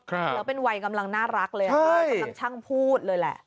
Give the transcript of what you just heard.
แล้วเป็นวัยกำลังน่ารักเลยกำลังช่างพูดเลยแหละ